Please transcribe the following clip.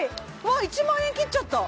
わっ１万円切っちゃった